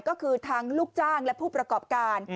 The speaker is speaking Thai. ก็คือทั้งลูกจ้างและผู้ประกอบการ